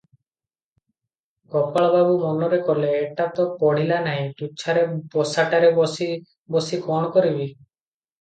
ଗୋପାଳବାବୁ ମନରେ କଲେ, ଏଟା ତ ପଢ଼ିଲା ନାହିଁ, ତୁଚ୍ଛାରେ ବସାଟାରେ ବସି ବସି କଣ କରିବି?